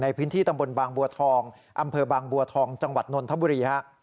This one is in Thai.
ในพื้นที่ตำบลบางบัวทองอำเภอบางบัวทองจังหวัดนนทบุรีฮะ